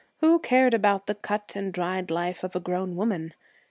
Who cared about the cut and dried life of a grown woman?